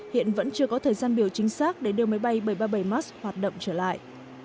hiện vẫn chưa có thời gian biểu chính xác để đưa máy bay bảy trăm ba mươi bảy max hoạt động trở lại